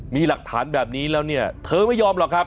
มีหลักฐานแบบนี้แล้วเนี่ยเธอไม่ยอมหรอกครับ